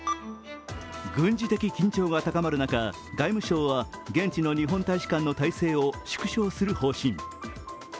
軍事的緊張が高まる中、外務省は現地の日本大使館の態勢を縮小する方針。